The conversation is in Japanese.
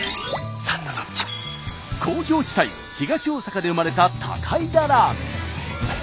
工業地帯・東大阪で生まれた高井田ラーメン。